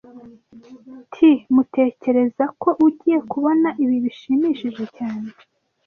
Tmutekereza ko ugiye kubona ibi bishimishije cyane